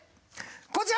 こちら！